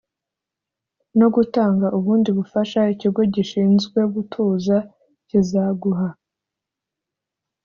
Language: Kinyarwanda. no gutanga ubundi bufasha Ikigo gishinzwe gutuza kizaguha